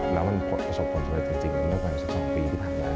แล้วมันประสบความสำหรับจริงนั้นเมื่อกว่า๑๒ปีที่ผ่านมา